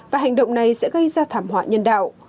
điều này sẽ gây ra thảm họa nhân đạo